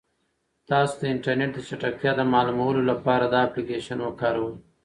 تاسو د انټرنیټ د چټکتیا د معلومولو لپاره دا اپلیکیشن وکاروئ.